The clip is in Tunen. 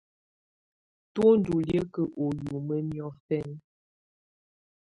Tɔ ndɔ liǝ́kǝ́ u yumǝ́ niɔfɛna.